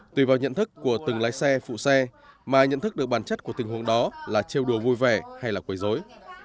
tùy vào nhận thức của từng lái xe phụ xe mà nhận thức được bản chất của tình huống đó là chiêu đùa vui vẻ hay là quấy dối